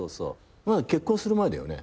まだ結婚する前だよね？